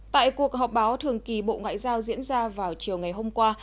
tại cuộc họp báo thường kỳ bộ ngoại giao diễn ra vào chiều ngày hôm qua